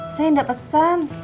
saya gak pesan